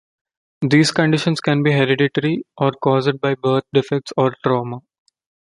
These conditions can be hereditary or caused by birth defects or trauma.